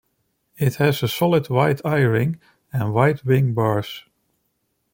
It has a solid white eye ring and white wing bars.